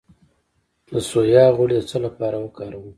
د سویا غوړي د څه لپاره وکاروم؟